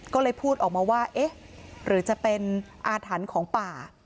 ก็เลยพูดออกมาว่าเอ๊ะหรือจะเป็นอาถรรพ์ของป่า